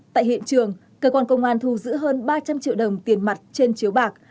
tại hiện trường cơ quan công an thu giữ hơn ba trăm linh triệu đồng tiền mặt trên chiếu bạc